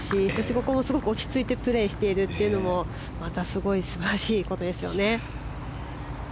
ここも落ち着いてプレーしているというのも素晴らしいことですよね。